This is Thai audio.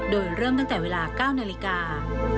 โดยเริ่มตั้งแต่เวลา๙นาฬิกา